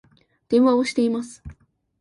電話をしています